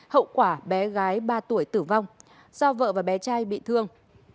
hậu quả bé gái ba tuổi tử vong do vợ và bé trai bị thương